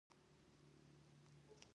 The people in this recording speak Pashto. د خپلو عسکرو د اچولو وړاندیز.